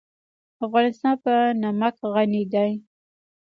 افغانستان په نمک غني دی.